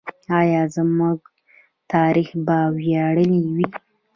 آیا زموږ تاریخ به ویاړلی وي؟